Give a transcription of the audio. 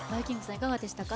いかがでしたか？